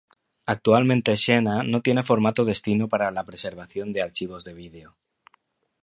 Actualmente Xena no tiene formato destino para la preservación de archivos de vídeo.